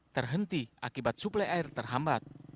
terhenti akibat suplai air terhambat